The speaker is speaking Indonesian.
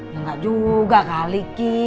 ya gak juga kali ki